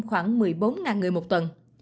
khoảng một mươi bốn người một tuần